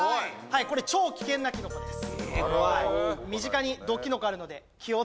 はいこれ超危険なきのこです